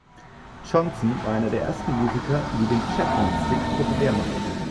Johnson war einer der ersten Musiker, die den Chapman Stick populär machten.